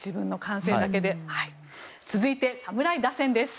続いては侍打線です。